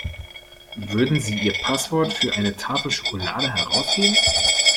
Würden Sie Ihr Passwort für eine Tafel Schokolade herausgeben?